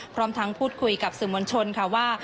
พร้อมทั้งพูดคุยกับสื่อมวลชนค่ะว่า